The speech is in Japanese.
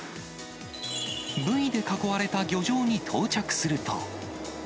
ブイで囲われた漁場に到着すると。